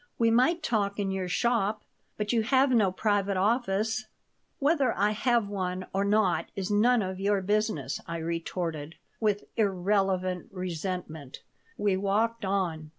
We might talk in your shop, but you have no private office." "Whether I have one or not is none of your business" I retorted, with irrelevant resentment We walked on.